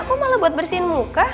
aku malah buat bersihin muka